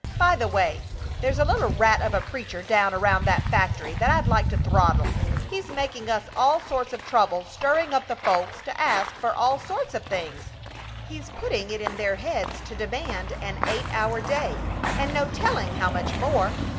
By the way, there's a little rat of a preacher down around that factory that I'd like to throttle! He's making us all sorts of trouble, stirring up the folks to ask for all sorts of things! He's putting it in their heads to demand an eight hour day, and no telling how much more!